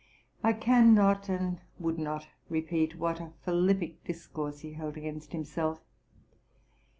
I can not and would not repeat what a philippic discourse he held against himself.